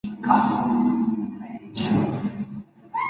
Johnson creció en Míchigan, y desde pequeño le gustó jugar al baloncesto.